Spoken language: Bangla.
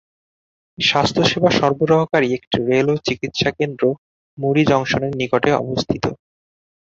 স্বাস্থ্যসেবা সরবরাহকারী একটি রেলওয়ে চিকিৎসা কেন্দ্র মুড়ি জংশনের নিকটে অবস্থিত।